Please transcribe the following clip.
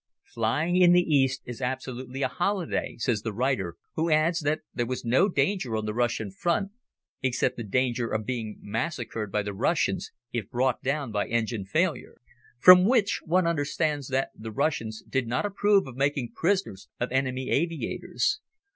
"Flying in the East is absolutely a holiday," says the writer, who adds that there was no danger on the Russian front, except the danger of being massacred by the Russians if brought down by engine failure. From which one understands that the Russians did not approve of making prisoners of enemy aviators.